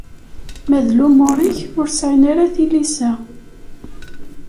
Ma d lumuṛ-ik ur sɛin ara tilisa.